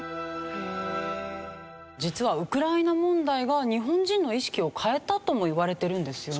実はウクライナ問題が日本人の意識を変えたともいわれてるんですよね。